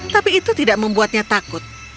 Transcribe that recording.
tapi itu tidak membuatnya takut